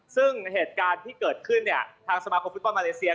ซึ่งเหตุการณ์ที่เกิดขึ้นเนี่ยทางสมาคมฟุตบอลมาเลเซีย